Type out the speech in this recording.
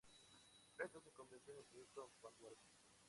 Esto se convirtió en el Proyecto Vanguard.